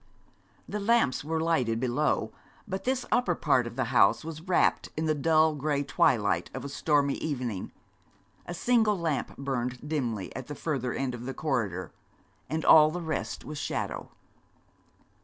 The lamps were lighted below; but this upper part of the house was wrapped in the dull grey twilight of a stormy evening. A single lamp burned dimly at the further end of the corridor, and all the rest was shadow.